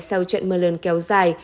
sau trận mưa lơn kéo dài